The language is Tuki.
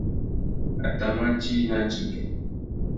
A tà mà djï nà ndzengüê.